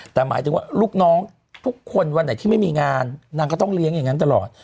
แต่หมายถึงว่าลูกน้องทุกคนวันไหนที่ไม่มีงานนางก็ต้องเลี้ยงอย่างนั้นตลอด